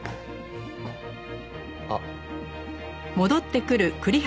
あっ。